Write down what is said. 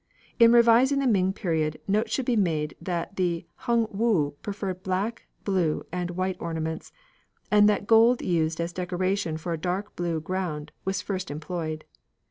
In revising the Ming period note should be made that Hung woo preferred black, blue, and white ornaments; and that gold used as the decoration for a dark blue ground was first employed.